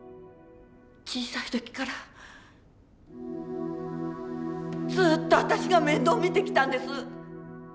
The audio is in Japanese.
小さい時からずっと私が面倒見てきたんです。